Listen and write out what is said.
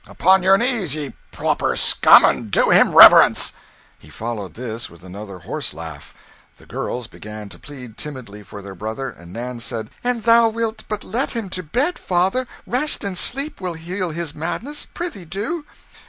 Upon your knees, ye pauper scum, and do him reverence!" He followed this with another horse laugh. The girls began to plead timidly for their brother; and Nan said "An thou wilt but let him to bed, father, rest and sleep will heal his madness: prithee, do."